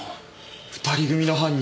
２人組の犯人